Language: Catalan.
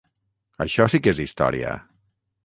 Això sí que és història!